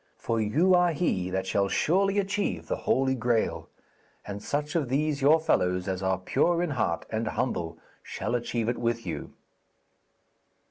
For you are he that shall surely achieve the Holy Graal, and such of these your fellows as are pure in heart and humble shall achieve it with you.'